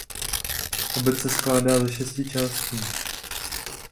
Obec se skládá ze šesti částí.